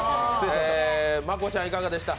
真子ちゃん、いかがでした？